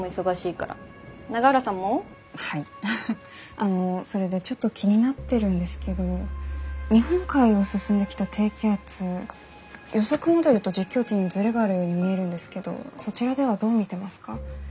あのそれでちょっと気になってるんですけど日本海を進んできた低気圧予測モデルと実況値にズレがあるように見えるんですけどそちらではどう見てますか？